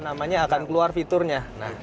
namanya akan keluar fiturnya